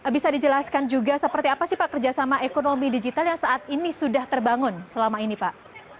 bisa dijelaskan juga seperti apa sih pak kerjasama ekonomi digital yang saat ini sudah terbangun selama ini pak